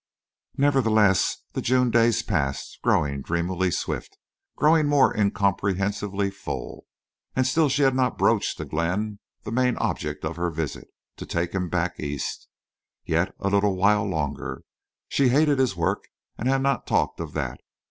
Nevertheless, the June days passed, growing dreamily swift, growing more incomprehensibly full; and still she had not broached to Glenn the main object of her visit—to take him back East. Yet a little while longer! She hated his work and had not talked of that.